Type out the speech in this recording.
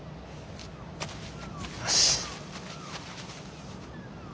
よし。